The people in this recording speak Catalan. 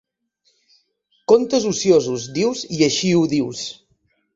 Contes ociosos, dius, i així ho dius.